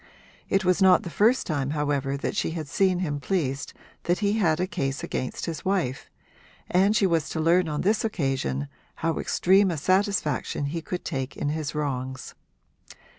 It was not the first time however that she had seen him pleased that he had a case against his wife, and she was to learn on this occasion how extreme a satisfaction he could take in his wrongs.